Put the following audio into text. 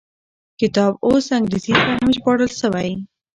کتاب اوس انګریزي ته هم ژباړل شوی.